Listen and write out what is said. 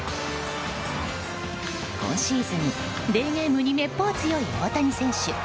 今シーズン、デーゲームにめっぽう強い大谷選手。